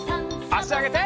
あしあげて。